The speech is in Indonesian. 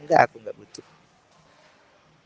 enggak aku gak butuh